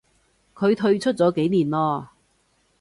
佢退出咗幾年咯